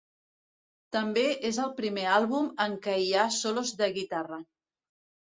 També és el primer àlbum en què hi ha solos de guitarra.